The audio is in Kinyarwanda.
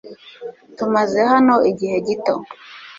Tumaze hano igihe gito .